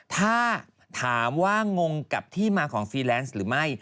ถ้าถามว่างงกับที่มาของฟีแลนซ์หรือไม่